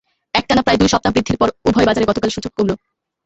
একটানা প্রায় দুই সপ্তাহ বৃদ্ধির পর উভয় বাজারে গতকাল সূচক কমল।